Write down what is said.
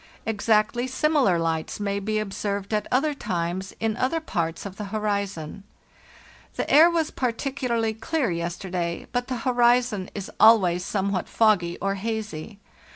Exactly similar lights may be observed at other times in other parts of the ho rizon. The air was particularly clear yesterday, but the horizon is always somewhat foggy or hazy.